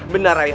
benar ayah anda